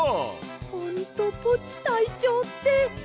ほんとポチたいちょうって。